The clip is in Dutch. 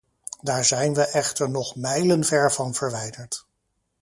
Daar zijn we echter nog mijlenver van verwijderd.